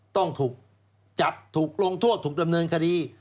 ต้องถูกจับถูกลงโทษถูกดำเนินคดี